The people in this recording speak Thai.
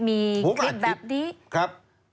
มีคลิปแบบนี้